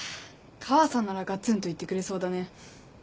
川さんならガツンと言ってくれそうだね。